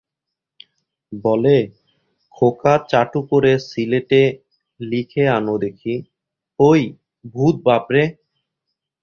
বলে, খোকা চাটু করে সিলেটে লিখে আনো দেখি, ঐঃ ভূত বাপ রে!